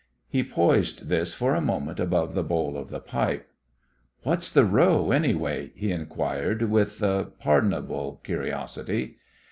He poised this for a moment above the bowl of the pipe. "What's the row anyway?" he inquired, with pardonable curiosity.